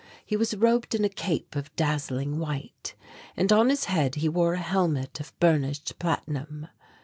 He was robed in a cape of dazzling white, and on his head he wore a helmet of burnished platinum.